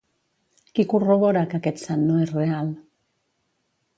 Qui corrobora que aquest sant no és real?